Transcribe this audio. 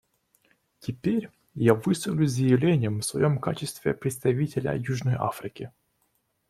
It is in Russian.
Теперь я выступлю с заявлением в своем качестве представителя Южной Африки.